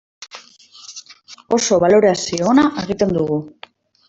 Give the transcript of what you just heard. Oso balorazio ona egiten dugu.